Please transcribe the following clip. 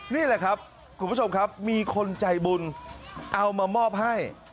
นี่แหละครับคุณผู้ชมครับมีคนใจบุญเอามามอบให้